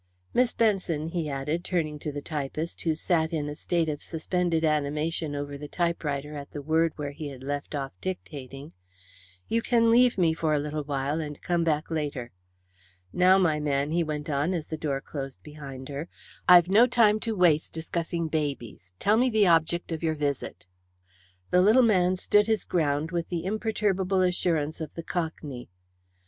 "Miss Benson," he said, turning to the typist, who sat in a state of suspended animation over the typewriter at the word where he had left off dictating, "you can leave me for a little while and come back later. Now my man," he went on, as the door closed behind her, "I've no time to waste discussing babies. Tell me the object of your visit." The little man stood his ground with the imperturbable assurance of the Cockney.